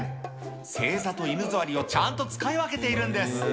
正座と犬座りをちゃんと使い分けているんです。